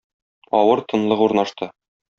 Авыр тынлык урнашты.